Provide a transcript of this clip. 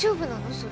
それ。